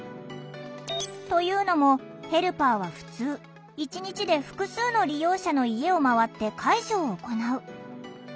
というのもヘルパーはふつう一日で複数の利用者の家を回って介助を行う。